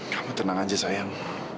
kamu tenang aja sayang